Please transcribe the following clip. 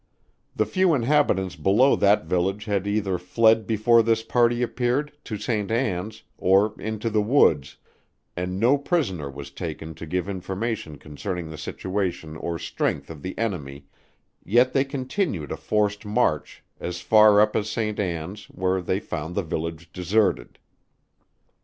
The few inhabitants below that village had either fled before this party appeared, to St. Anns, or into the woods, and no prisoner was taken to give information concerning the situation or strength of the enemy, yet they continued a forced march as far up as Saint Anns, where they found the village deserted.